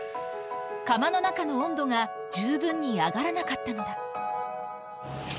釜の中の温度が十分に上がらなかったのだ。